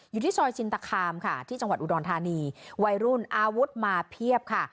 อยู่ที่ซอยชินตคามค่ะที่จังหวัดอุดรธานีวัยรุ่นอาวุธมาเพียบค่ะ